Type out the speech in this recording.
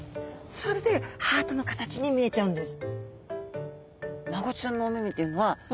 それでハートの形に見えちゃうんです。